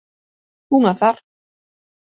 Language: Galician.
Un azar.